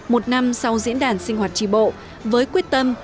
một năm sau diễn đàn sinh hoạt tri bộ với quyết tâm